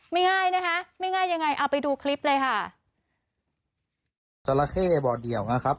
ไม่ง่ายนะฮะไม่ง่ายยังไงเอาไปดูคลิปเลยค่ะ